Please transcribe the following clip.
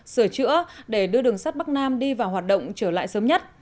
sửa chữa để đưa đường sắt bắc nam đi vào hoạt động trở lại sớm nhất